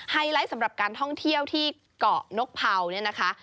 ไลท์สำหรับการท่องเที่ยวที่เกาะนกเผาเนี่ยนะคะ